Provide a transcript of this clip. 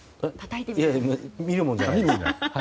見るものじゃないです。